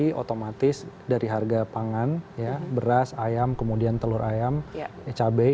jadi otomatis dari harga pangan beras ayam kemudian telur ayam cabai